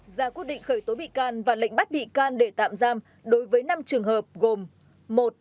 ra quyết định khởi tố bị can và lệnh bắt bị can để tạm giam đối với năm trường hợp gồm